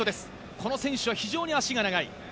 この選手は非常に足が長い。